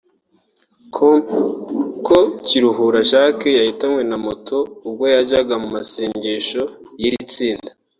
com ko Kiruhura Jacques yahitanywe na moto ubwo yajyaga mu masengesho y’iri tsinda